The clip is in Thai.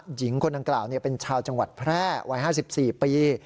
หญิงคนดังกล่าวเป็นชาวจังหวัดแพร่วัย๕๔ปี